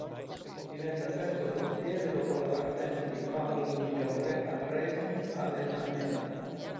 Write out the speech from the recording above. Diventa terzo portiere dopo la partenza di Pablo Migliore al Racing Avellaneda.